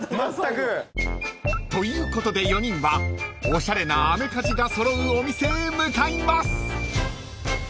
［ということで４人はおしゃれなアメカジが揃うお店へ向かいます］